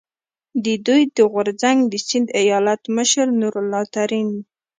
د دوی د غورځنګ د سیند ایالت مشر نور الله ترین،